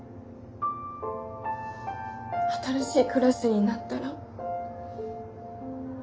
新しいクラスになったら。